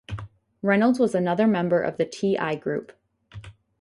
Reynolds was another member of the T I Group.